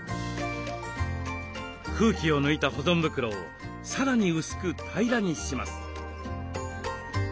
空気を抜いた保存袋をさらに薄く平らにします。